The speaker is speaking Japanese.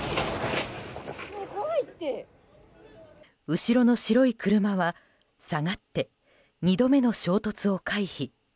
後ろの白い車は下がって２度目の衝突を回避。